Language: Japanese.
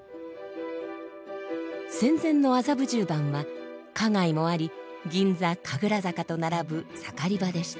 戦前の麻布十番は花街もあり銀座神楽坂と並ぶ盛り場でした。